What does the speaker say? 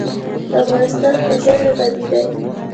افغانستان په ژبې غني دی.